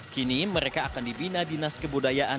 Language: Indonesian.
kini mereka akan dibina dinas kebudayaan